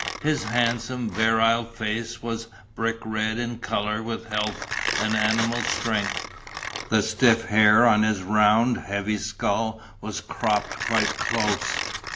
His handsome, virile face was brick red in colour with health and animal strength. The stiff hair on his round, heavy skull was cropped quite close.